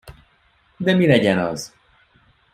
De mi legyen az?